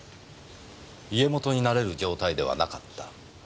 家元になれる状態ではなかった。